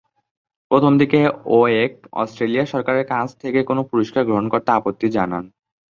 প্রথম দিকে ওয়েক অস্ট্রেলিয়া সরকারের কাছ থেকে কোন পুরস্কার গ্রহণ করতে আপত্তি জানান।